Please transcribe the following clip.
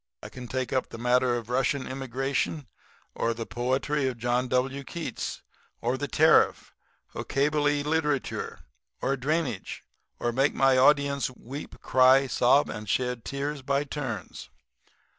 I can take up the matter of Russian immigration, or the poetry of John W. Keats, or the tariff, or Kabyle literature, or drainage, and make my audience weep, cry, sob and shed tears by turns.'